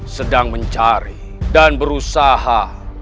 sedang mencari dan berusaha